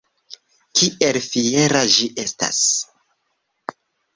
Kiel fiera ĝi estas!